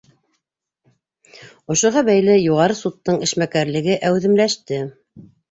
Ошоға бәйле Юғары судтың эшмәкәрлеге әүҙемләште.